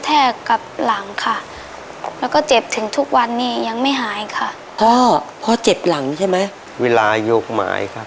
อ่ะแล้วเจ็บถึงทุกวันไม่หายพ่อเจ็บหลังใช่ไหม